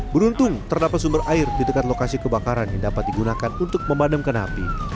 beruntung terdapat sumber air di dekat lokasi kebakaran yang dapat digunakan untuk memadamkan api